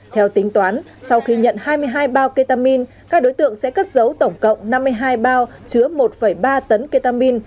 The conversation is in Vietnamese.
theo tính toán sau khi nhận hai mươi hai bao ketamin các đối tượng sẽ cất giấu tổng cộng năm mươi hai bao chứa một ba tấn ketamin